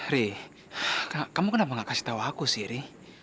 ri kamu kenapa gak kasih tahu aku sih ri